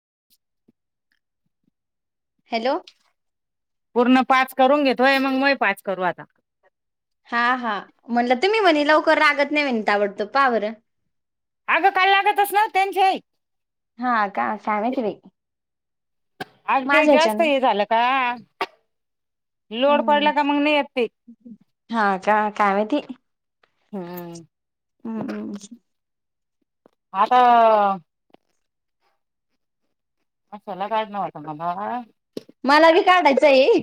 [inaudible] Hello! पूर्ण पाच करून घेतोय मग माझे पाच करू आता. हा हा, म्हणलं तुम्ही म्हणे लवकर लागत नाही म्हणता का बरं? अगं काल लागतच नव्हते त्यांचे. हा का, काय माहीती बाई. आणि ते माझ्या जास्त ह्याच्यान हे झालं का? लोड हम्म पडला का मग नाही येत ते. हा का काय माहीती, हम्म. हम्मम् आता असं काढ न वात मला. मला बी काढायचं ये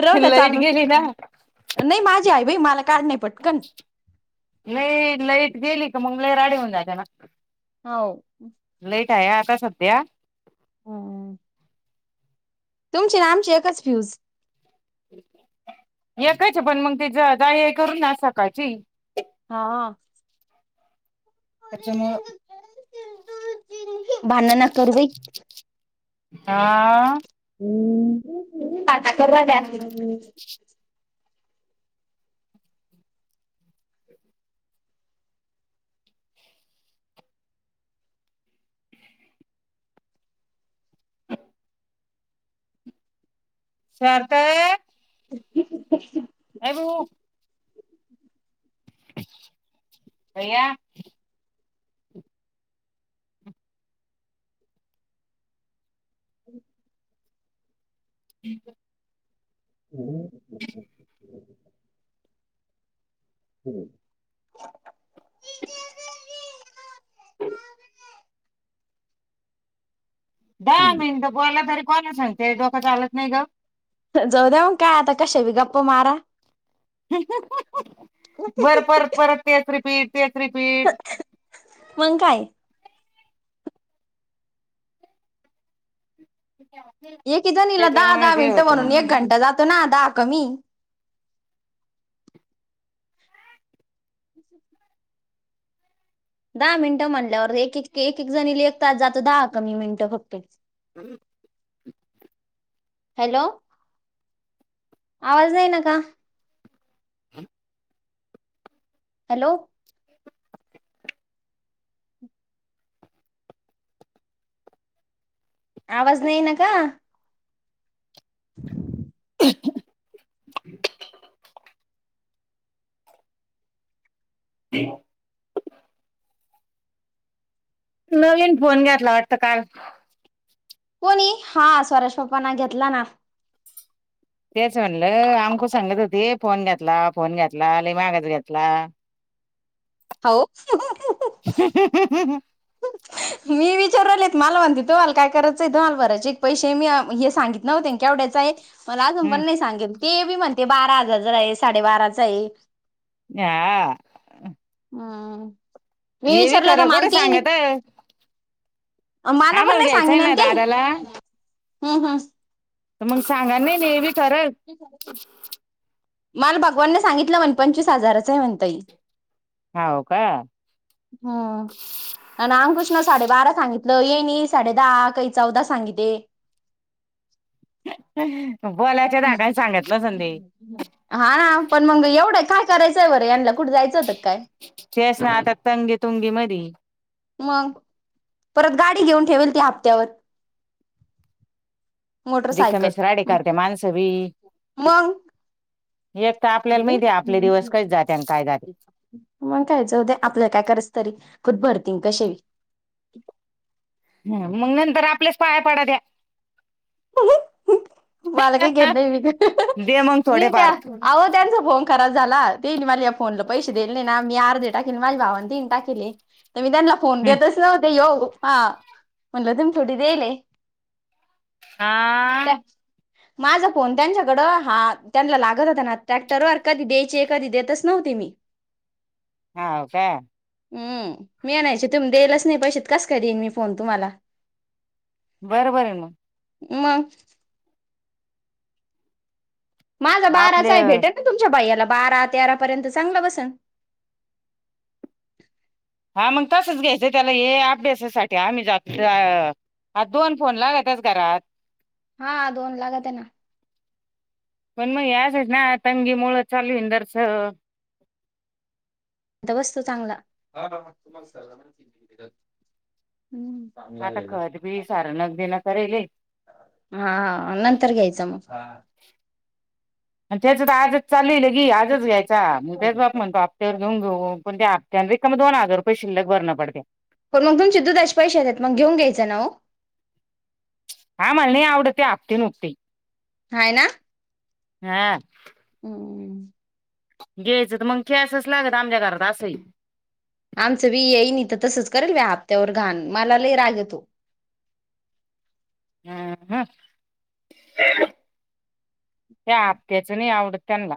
राहु द्या लाईट चालू गेली ना नाही माझ आहे बाई मला काई नाही पटकन नाही लाईट गेली का मंग लय राहडे होऊन जातात मग. हो हाय आता सध्या हम्म तुमचे आणि आमची एकच फ्युज. एकच ये पण मग ते जा ये करून ना सकाळची. हा हा त्याच्यामुळ दुध दी, भांडण नका करू बाई. हा हम, टाटा करू राहीलय आजीला. सार्थक [inaudible] ये बु भैय्या! [inaudible] हम्! हम्म! हम्म! दहा मिनिट बोला तरी कोणा सांगित डोकं चालत नाही ग. जाऊ दऊन काय आता कशा व गप्प मारा. बर परत परत तेच रिपीट. तेस रिपीट. मग काय एकी जणीला दहा त्याच्यामुळे दहा ते मिनिटं होत म्हणून मग एक घंटा जातो ना दहा कमी. दहा मिनटं म्हटल्यावर एक एक एक एक जणीले एक तास जाते दहा कमी मिनिटं फक्त. [inaudible] हॅलो आवाज नाही ना का. [inaudible] हॅलो! आवाज नाही न का. [inaudible] [inaudible] [inaudible] नवीन फोन घेतला वाटत काल. कोणी हा सॉरी [unintelligible] पप्पाना घेतला ना. तेच म्हणलं आमक सांगत होती फोन घेतला फोन घेतला लई मागाचा घेतला. हाव [unintelligible] हम्म ह [inaudible] मी विचारून राहीलेेत मला म्हणते तो आल काय करायचं मल बराचे एक पैसे मी हे सांगित नव्हते केवढ्याच आहे. मला अजून पण नाही सांगेल ते बी म्हणते बारा हजारच आहे साडेबाराच आहे. या. हम्म कुठे सांगत आम्हाला माना पण नाही घ्यायचंय सांगिन ना ते दादाला हम्म हम्! तर मग सांगा नाही नेमी विचारलं मला भगवानने सांगितलं वन पंचवीस हाजाराचंय म्हणतय हो का हम्म आणि [unintelligible] साडेबारा सांगितलं ये नाही साडे दहा काही चौदा सांगिते. बोलाच्या धाकाने सांगित नसलं ते हा हा ना पण मग एवढं काय करायचंय बरं यांला कुठे जायचं होत की काय. तेच ना आता तंगी तुंगी मधी मग परत गाडी घेऊन ठेवेल त्या हप्त्यावर. मोटरसायकल रिकमेश राडे करते मानसवी. मग. तर आपल्याला माहिती आपले दिवस कसे जाते आणि काय जाते मग कयच होद्या आपल्या काय कराच तरी. फुट भरतीिंग कसे. ह मग नंतर आपल्याच पाया पडा द्या. मला काही घेत नाही मी दे मग मी त्या थोडेफार आहो त्यांच. फोन खराब झाला तेने मला या फोनला पैसे दिले नाही ना मी अर्धे टाकेले माझ्या भावाने तन टाकेले. तर मी त्यांना फोन हं. देतच नव्हते येऊ हा म्हटलं तुम छोटी देईल. हा. माझा फोन त्यांच्याकडं हा त्यांना लागत होता ना ट्रॅक्टरवर कधी द्यायचे कधी देतच ना. तेमी हाव काय हम्म मी आणयचे तु देलच नाही पैसेत कस काय देईन मी फोन तुम्हाला. बरोबर हाय मग. मग. माझा बाराच आपले आहे भेटेल ना तुमच्या भैयाला बारा तेरा पर्यंत चांगलं बसल हा मग तसच घ्यायचं त्याला हे अभ्यासासाठी आम्ही जा अ आ दोन फोन लागतच घरात हा दोन लागात ना पण मग आजच ना तंगी मुळं चालूंदरस आता वस्तू चांगला आता खत बी सार नग दि न करेल हा नंतर घ्यायचं मग आणि त्याच तर आजच चालूल गी आजच घ्यायचा मद्याच बाप म्हणतो आपत्यावर घेऊन घेऊ पण ते त्या दोन हजार रुये शिल्लक भरण पडते पण मग तुमचे दूधश पैशदेत मग घेऊन घ्यायचं ना हो हा मला नाही आवडते आपती नुकती हयना हा हो घ्यायचं तर मग केॅसच लागत आमच्या घरात असंही आमचं विी येईन तर तसंच करेल व हप्त्यावर घाण मला ल राग येतो [inaudible] हम ह ते आपक्याच नाही आवडत त्यांनला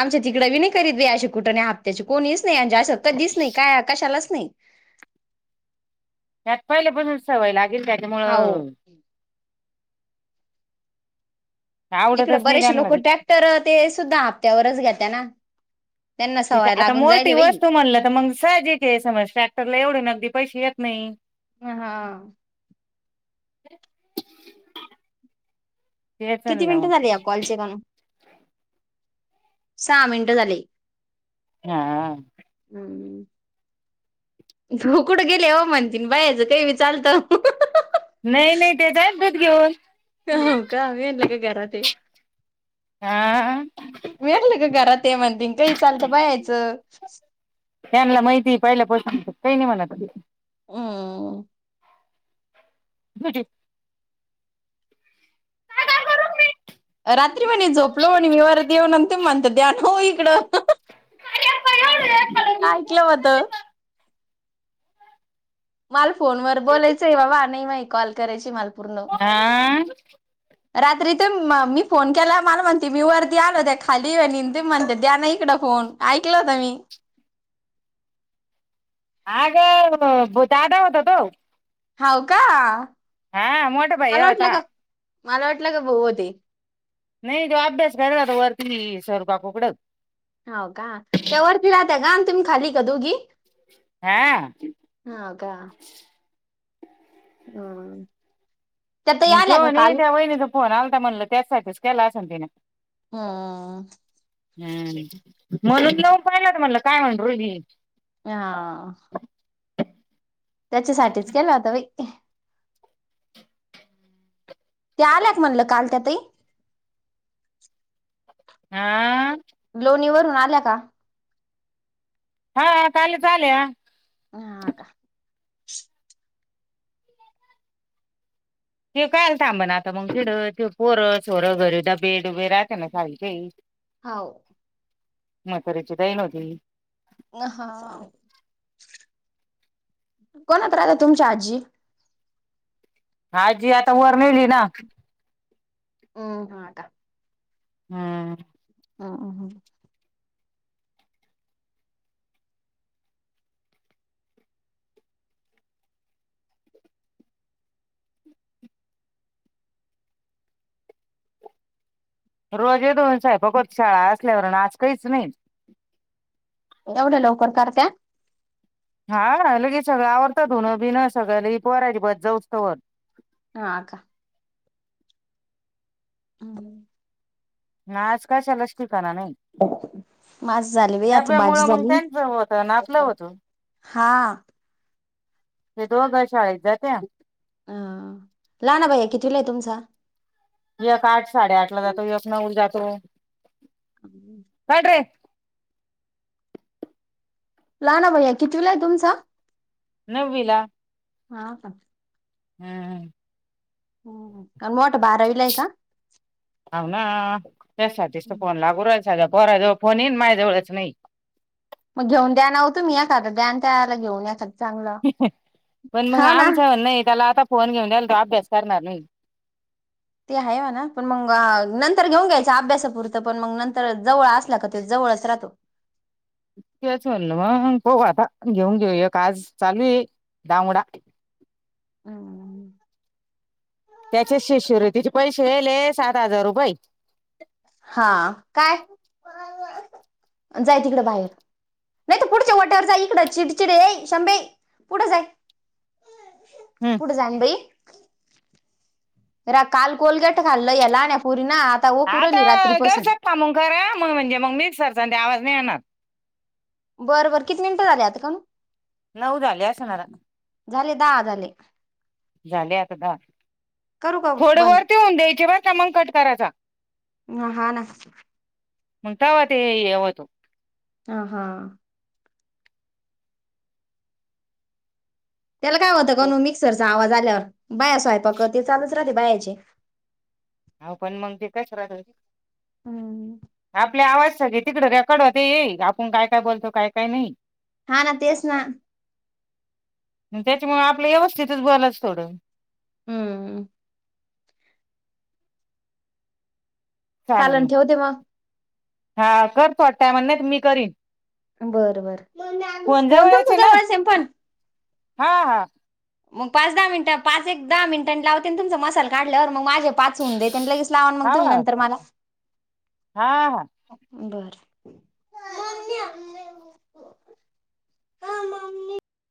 आमच्या तिकडं विी नाही करीत व अे कुठ नाही हप््याची कोणीहीच नाही आणि असं दिस नाही काय आकाशालाच नाही नाही त्यात पहिले पण सवय लागेल हो त्याच्यामुळं इकडं आवडतच नाही बरेचसे त्यांना लोक ती ट्रॅक्टर ते सुद्धा हा्त्यावरच घात्या ना त्यांना सवय आता लागून मोठी जायले बाई वस्तू म्हणलं तर मग सहजिक आहे समज ट्रॅक्टरला एवढे अगदी पैसे येतात नाही हा [inaudible] किती तेचला म मिनिटं झाले या कॉलचे सामिड तले हा हम्म त कुडं गेले हो म्हणती बायाचं काही विी चालत नाही नाही तेे जाईल दूध घेऊन, का कावेन लाग घरा ते [inaudible] हा मकल ग घरात ते म्हणतीन काही चालत पा यायचं [inaudible] त्यांला माहिती पाहिला पोसांत काही नाही म्हणात [inaudible] हम् बुजे [inaudible] रात्री म्हणे झोपलो आणि मी वरतऊनंत म्हणत दनव इकडं [inaudible] तयाळ [inaudible] काय ऐकलं होत मला फोनवर बोलायचं आहे बाबा नाही मा कॉल करायची मला, पूर्ण. आा रात्री ते मी फोन केला मला म्हणते मी वरती आलो त्या खाली ये म्हणते द्या ना इकड फोन कोण ऐकलाता मी आग बतडा होत त होव का हा मोठ भाई मला वाटलं होता का मला वाटलं का भाऊ होती... नाही जो अभ्यास करला वरती स्वरूपा कोुकडच.. हो का त्या वरती राहतात आणि तुम्ही खाली. हा.... हम्. ह तोन त्या वहिणीचा फोन आलता म्हणल त्याचसाठीच केला असेल तिने... हा.. हम्म म्हणून लऊन पाहिला तर म्हटलं काय म्हण रोहीणी. हा त्याच्यासाठीच केला होता बाई. त्या आल्या का म्हणलं काल त्या ताई. हा... लोणी वरून आल्या का? हा कालच आल्या. ह का... ते कायल थांब ना आता मग डं ते पोरं ोरं घरीद्या बेड उभे राहते ना साडीच्याही.. [inaudible] हो.. म्हातारीची देन होती. ह हा... कोणत राहता तुमच्या आजी? आजी आता वर नेवली ना... हम्म हा का.. हम्म.. ह ह हम.. रोजे दोन साहेबक होत शाळा असल्यावर आज काहीच नाही. एवढ्या लवकर करत्या. हा लगेच सगळ आवडतात धुनं बिन सगळ्या ल पोराजिबात जाऊस्तवर.. हा अ का? हम्.. आज कशाला? नाही माझ झाली बाई आता डब्यामुळे भाजी मग झाली त्यांच होत नापलं होत. हां... ते दोघं अघा शाळेत जात्या. अ लहान भैया कीतवीलाय तुमचा? एक आठ साडेआठ ला जातो एकक नऊ जातो. हम्... काय रे लहान भैया कितवीला आहे तुमचा? नव्वीला.. हा का. हम्म हम्म... हम्म आणि मोठ बारावीलाय का? ह त्यासाठीच त फोन लागू रायला पोराजवळ फोन आहे माझजवळच नाही. मग घेऊन दयान हो तुम्ही मी एखादा त्याला घेऊन याखादा. पण मग आमचण नाही त्याला आता. फोन घेऊन दिला तर अभ्यास करणार नाही. ते आहे ना पण मग नंतर घेऊन घ्यायच अभ्यासापुरतं पण मग नंतर जवळ असला का. ळसरा तो [inaudible] च म्हणल मग पाह आता घेऊन घेऊया आज चालू आहे. डामुडा. हम्. त्याचे शिशर तिचे पैसे वले सात हजार रुपये. [inaudible] हा काय जाय तिकड बाहेर... नाही तर पुढच्या वाट्यावर जा इकड चिडचिडे आहे शंभे पुढे जाय. हम्म पुढ जान बाई. रा काल कोलगेट खाल्ल या लहण्या या पोरीणी आत जरशक थामुन करा मग म्हणजे मग मिक्सरचा ते आवाज नाही येणार. बरं बरं किती मिनिटं झाले आता काव? नऊ झाले असल आता. झाले दहा झाले. झाले आता दहा. करू का बंद म हाना. मग ताव ते हे होत. ह हा. त्याला काय होतं कानू मिक्सरचा आवाज आल्यावर बाया स्वयपाक ते चालूच राहते बायाचे. हा पण मग ते कस राहात. हम्म. आपल्या आवाज सगळे तिकड रेकॉर्ड होते येई आपण काय काय बोलतो काय काय नाही. हा ना तेच ना. त्याच्यामुळे आपलं व्यवस्थितच बोलाच थोडं. हम्म. चालन ठेवते मग. हा कर थोडा टायमानी नाही तर मी करीन. बर, बर, फोन तुमच्या जवळच आहे न पण. हा हा. मग पाच दहा मिनिट पाच एक दहा मिनिटां लावते तुमचा मसाल काढल्यावर. मग माझे पाच होउन देत आण लगेच लावाण मग हा तुम्ही नंतर मला. हा हा. बरं